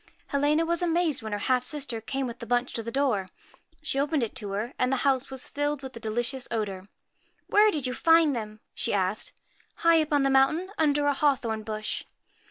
Helena was amazed when her half sister came with the bunch to the door. She opened it to her, and the house was filled with the delicious odour. 'Where did you find them?' she asked. 1 High up on the mountain, under a hawthorn bush.'